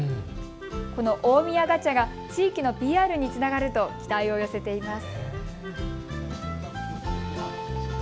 この大宮ガチャが地域のＰＲにつながると期待を寄せています。